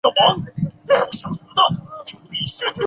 轻轻吻上的神奇魔法